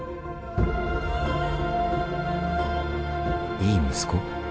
「いい息子」？